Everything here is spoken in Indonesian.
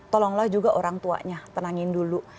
tolonglah juga orang tuanya tenangin dulu